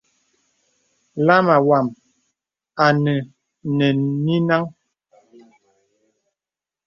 Lāma wām anə̀ nè nìnəŋ.